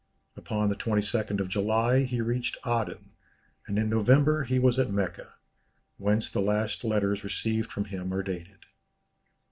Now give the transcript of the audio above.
Upon the 22nd of July he reached Aden, and in November he was at Mecca, whence the last letters received from him are dated.